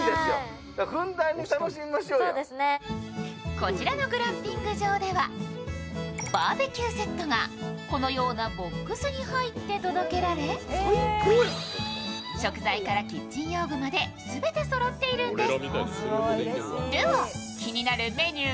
こちらのグランピング場では、バーベキューセットがこのようなボックスに入って届けられ食材からキッチン用具まで全てそろっているんです。